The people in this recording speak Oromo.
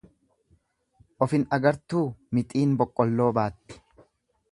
Ofhin agartuu mixiin boqqolloo baatti.